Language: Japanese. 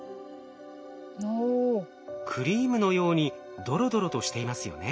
クリームのようにドロドロとしていますよね。